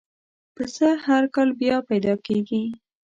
پسه هر کال بیا پیدا کېږي.